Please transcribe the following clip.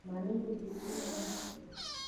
منی د فکرونو وخت دی